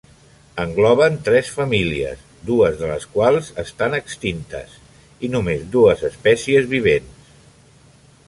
Engloben tres famílies, dues de les quals estan extintes, i només dues espècies vivents.